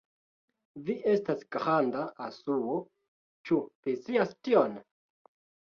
Vi estas granda asuo, ĉu vi scias tion?